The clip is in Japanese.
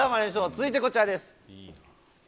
続いてこちらです。